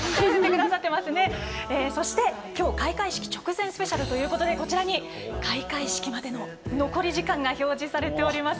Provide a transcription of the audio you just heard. そして、今日「開会式直前スペシャル」ということでこちらに開会式までの残り時間が表示されております。